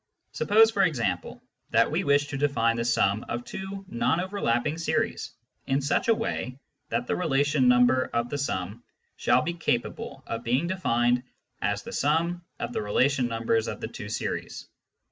Suppose, for example, that we wish to define the sum of two non overlapping series in such a way that the relation number of the sum shall be capable of being defined as the sum of the relation numbers of the two series.